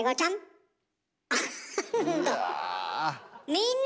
みんな！